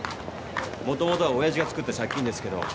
もともとはおやじが作った借金ですけど。